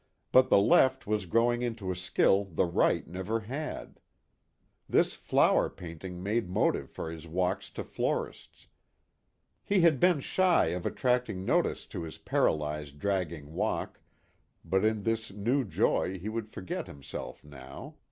But the left was growing into a skill the right never had. This flower painting made motive for his walks to florists. He had been shy of attracting notice to his paralyzed dragging walk, but in this new joy he would forget himself now.